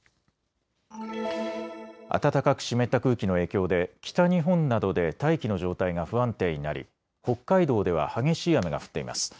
暖かく湿った空気の影響で北日本などで大気の状態が不安定になり北海道では激しい雨が降っています。